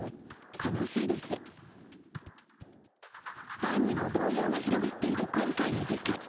ファンにも動揺が広がっている今回の事件。